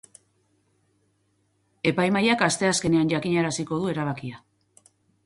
Epaimahaiak asteazkenean jakinaraziko du erabakia.